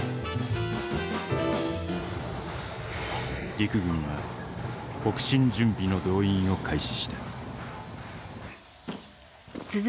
陸軍は北進準備の動員を開始した。